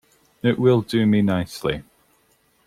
It will do me nicely.